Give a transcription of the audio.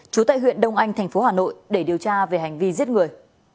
chú tại huyện đông anh tp hà nội để điều tra về hành vi giết người